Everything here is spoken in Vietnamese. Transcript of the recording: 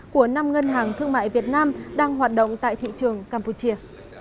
của năm ngân hàng thương mại việt nam đang hoạt động tại thị trường campuchia